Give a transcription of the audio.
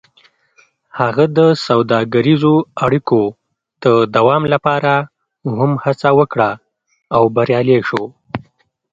هغه د سوداګریزو اړیکو د دوام لپاره هم هڅه وکړه او بریالی شو.